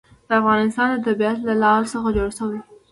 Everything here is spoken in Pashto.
د افغانستان طبیعت له لعل څخه جوړ شوی دی.